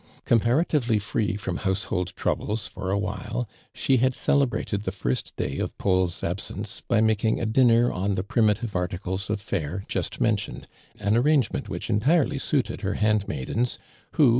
Comparatively free from household trou bles for a while, she had celebrated the first day of Paul's absence by making a dinner on the primitive articles of lare just men tioned, an arrangement which entirely suit ed her hand maidens, who.